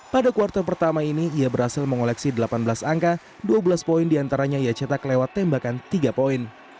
pada kuartal pertama ini ia berhasil mengoleksi delapan belas angka dua belas poin diantaranya ia cetak lewat tembakan tiga poin